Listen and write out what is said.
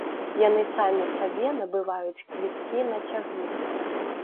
Яны самі сабе набываюць квіткі на цягнік.